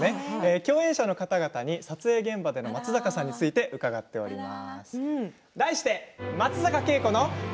共演者の方々に撮影現場の松坂さんについて聞いています。